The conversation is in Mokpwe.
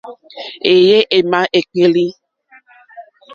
Êyé émá ékpélí.